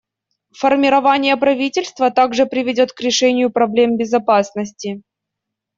Формирование правительства также приведет к решению проблем безопасности.